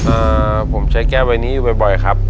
เอ่อผมใช้แก้วใบนี้อยู่บ่อยบ่อยครับ